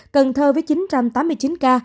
cần thơ với chín trăm tám mươi chín ca